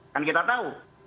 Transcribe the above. kan kita tahu